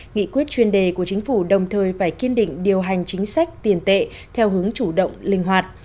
nghị quyết chuyên đề của chính phủ đồng thời phải kiên định điều hành chính sách tiền tệ theo hướng chủ động linh hoạt